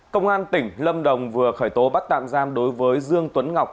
công an tỉnh lâm đồng vừa khởi tố bắt tạm giam đối với dương tuấn ngọc